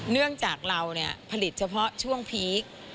เนื่องจากเราผลิตเฉพาะช่วงพีค